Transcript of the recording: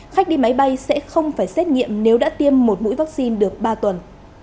khách đi máy bay sẽ không phải xét nghiệm nếu đã tiêm một mũi vaccine được ba tuần